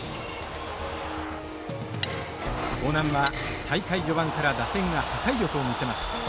興南は大会序盤から打線が破壊力を見せます。